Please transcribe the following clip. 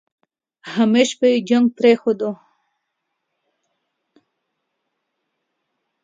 همېش به يې جنګ پرېښوده.